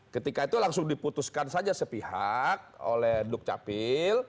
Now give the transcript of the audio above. ketika itu langsung diputuskan saja sepihak oleh duk capil